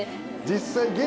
実際。